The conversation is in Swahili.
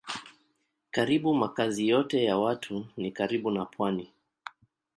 Karibu makazi yote ya watu ni karibu na pwani.